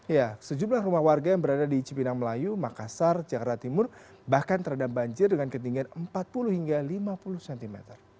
ya sejumlah rumah warga yang berada di cipinang melayu makassar jakarta timur bahkan terendam banjir dengan ketinggian empat puluh hingga lima puluh cm